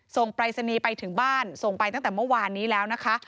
ปรายศนีย์ไปถึงบ้านส่งไปตั้งแต่เมื่อวานนี้แล้วนะคะ